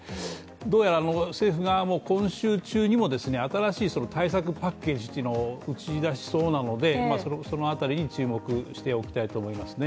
どうやら政府側も今週中にも新しい対策パッケージを打ち出しそうなのでその辺りに注目しておきたいと思いますね